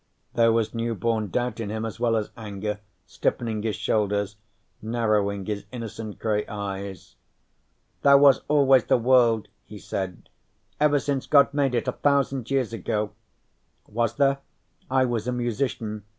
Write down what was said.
There was new born doubt in him as well as anger, stiffening his shoulders, narrowing his innocent gray eyes. "There was always the world," he said, "ever since God made it a thousand years ago." "Was there? I was a musician.